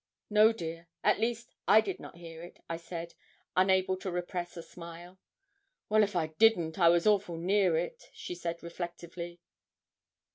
'No, dear; at least, I did not hear it,' I said, unable to repress a smile. 'Well, if I didn't, I was awful near it,' she said, reflectively.